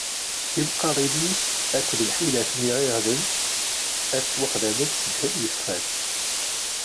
Tineqqadin-is akked lḥilat n iɣiɣden ad ttwaxedment s ddheb yeṣfan.